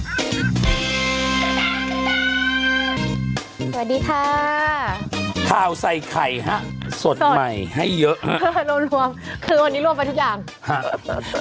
ไอข้าวใส่ไข่ค่ะสดใหม่ให้เยอะค่ะฮ่ะรวมคือวันนี้รวมไปทุกอย่างฮ่ะ